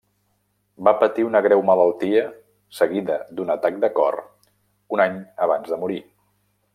Va patir una greu malaltia seguida d'un atac de cor un any abans de morir.